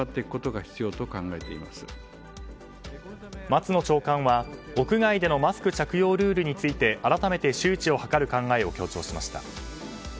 松野長官は屋外でのマスク着用ルールについて改めて周知を図る考えを強調しました。